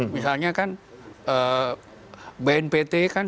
misalnya kan bnpt kan